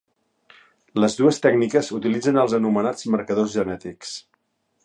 Les dues tècniques utilitzen els anomenats marcadors genètics.